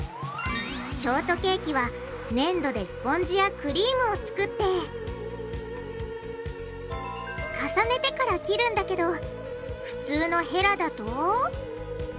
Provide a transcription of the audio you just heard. ショートケーキはねんどでスポンジやクリームを作って重ねてから切るんだけどほら！